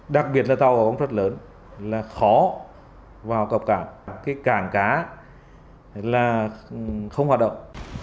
đặc biệt là tàu có công suất lớn là khó vào cập cảng cái cảng cá là không hoạt động